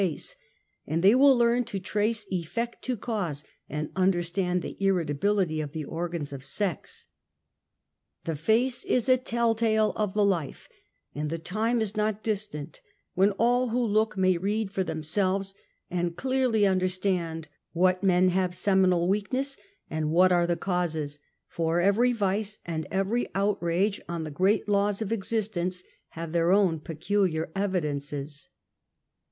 face, and thej will learn to trace effect to cause and [understand the irritability of the organs of sex. The face is a tell tale of the life, and the time is not distant when all who look may read for them selves and clearly understand what men have seminal w^eakness, and what are the causes, for every vice and every outrage on the great laws of existence have their own peculiar evidences.